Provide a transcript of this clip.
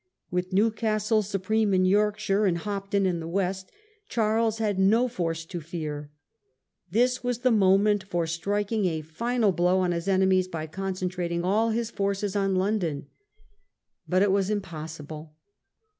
With Newcastle supreme in Yorkshire and Hopton The crisis, in the West Charles had no force to fear. This August. 1643. was the moment for striking a final blow on his enemies by concentrating all his forces on London. But it was impossible.